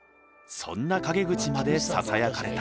そんな陰口までささやかれた。